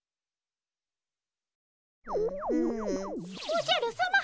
おじゃるさま